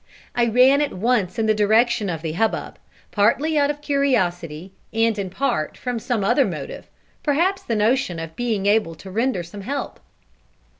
I ran at once in the direction of the hubbub, partly out of curiosity and in part from some other motive, perhaps the notion of being able to render some help.